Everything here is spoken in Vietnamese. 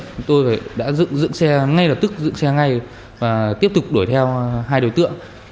chúng tôi đã dựng xe ngay lập tức dựng xe ngay và tiếp tục đuổi theo hai đối tượng